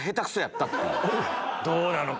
どうなのか？